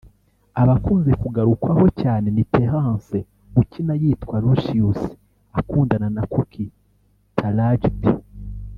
abakunze kugarukwaho cyane ni Terrence ukina yitwa Lucious akundana na Cookie (Taraji P